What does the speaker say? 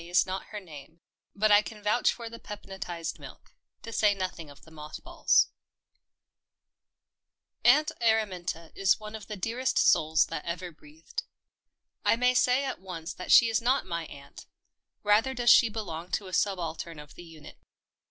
IS NOT HER NAME , BUT I CAN VOUCH FOR THE PEPNOTISED MILK, TO SAY NOTHING OF THE MOTH BALLS Aunt Araminta is one of the dearest souls that ever breathed. I may say at once that she is not my aunt — rather does she belong to a subaltern of the unit.